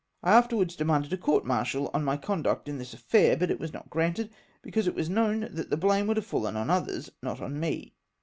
I afterwards demanded a court martial on my con duct in tliis afFau^ but it was not granted ; because it was known that the blame would have fallen on others, not on me.